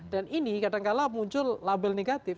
dan ini kadang kadang muncul label negatif